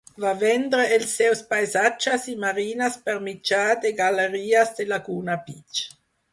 Va vendre els seus paisatges i marines per mitjà de galeries de Laguna Beach.